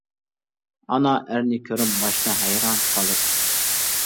ئانا ئەرنى كۆرۈپ باشتا ھەيران قالىدۇ.